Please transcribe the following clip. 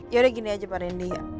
yaudah gini aja pak rendy ya